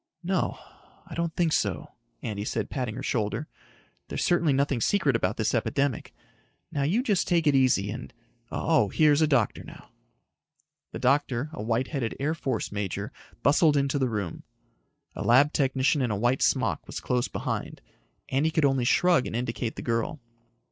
"No, I don't think so," Andy said, patting her shoulder. "There's certainly nothing secret about this epidemic. Now you just take it easy and . Oh, here's a doctor now." The doctor, a white headed Air Force major, bustled into the room. A lab technician in a white smock was close behind. Andy could only shrug and indicate the girl.